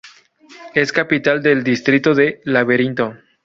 Es capital del distrito de Laberinto.